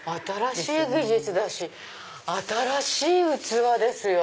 新しい技術だし新しい器ですよ。